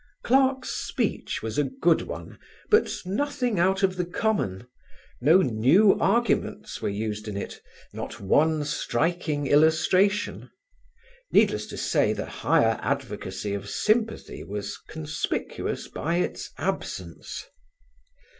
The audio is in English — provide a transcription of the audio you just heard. Clarke's speech was a good one, but nothing out of the common: no new arguments were used in it; not one striking illustration. Needless to say the higher advocacy of sympathy was conspicuous by its absence.